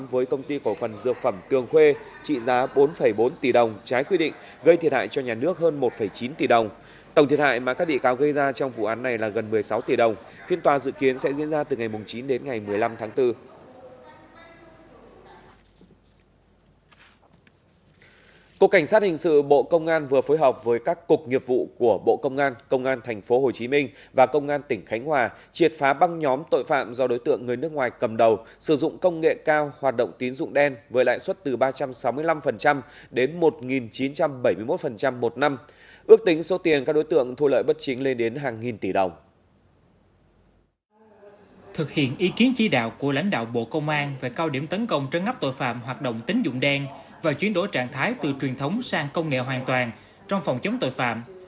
và chuyến đổi trạng thái từ truyền thống sang công nghệ hoàn toàn trong phòng chống tội phạm